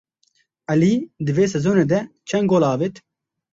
Elî di vê sezonê de çend gol avêt?